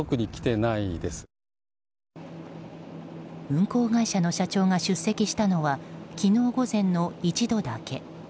運航会社の社長が出席したのは昨日午前の一度だけ。